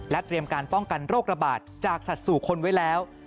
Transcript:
เตรียมการป้องกันโรคระบาดจากสัตว์สู่คนไว้แล้ว